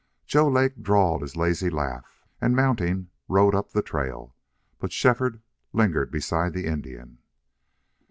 Joe Lake drawled his lazy laugh and, mounting, rode up the trail. But Shefford lingered beside the Indian.